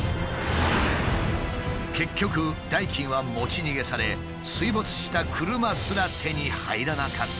結局代金は持ち逃げされ水没した車すら手に入らなかったという。